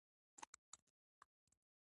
دا رقمخوراک خوندور وی